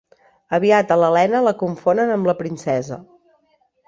Aviat a l'Helena la confonen amb la princesa.